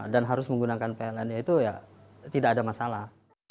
dan harus menggunakan pltmh itu ya tidak ada masalah